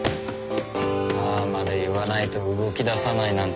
ああまで言わないと動きださないなんて。